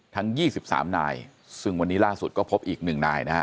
ทั้งยี่สิบสามนายซึ่งวันนี้ล่าสุดก็พบอีกหนึ่งนายนะฮะ